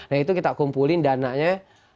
nah itu kita kumpulin dananya